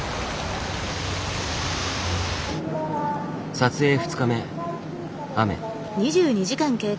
撮影２日目雨。